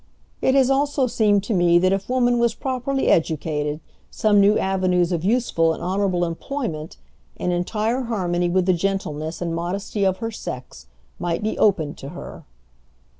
"It has also seemed to me that if woman was properly educated, some new avenues of useful and honorable employment, in entire harmony with the gentleness and modesty of her sex, might be opened to her.